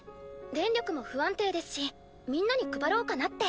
電力も不安定ですしみんなに配ろうかなって。